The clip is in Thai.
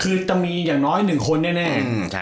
คือจะมีอย่างน้อย๑คนแน่